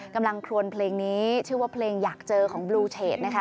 กำลังครวนเพลงนี้ชื่อว่าเพลงอยากเจอของบลูเชดนะคะ